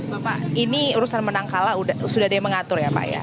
bapak ini urusan menang kalah sudah ada yang mengatur ya pak ya